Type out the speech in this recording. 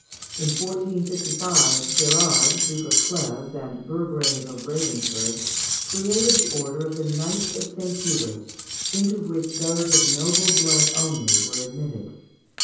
In 1455, Gérard, Duke of Cleves and Burgrave of Ravensberg, created the order of the Knights of St. Hubert, into which those of noble blood only were admitted.